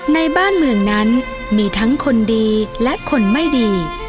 ในบ้านเมืองนั้นมีทั้งคนดีและคนไม่ดี